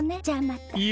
じゃあまた。